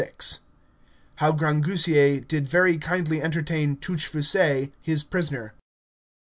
How Grangousier did very kindly entertain Touchfaucet his prisoner.